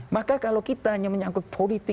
maka kalau kita hanya menyangkut politik